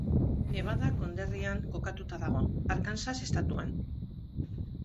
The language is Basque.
Nevada konderrian kokatuta dago, Arkansas estatuan.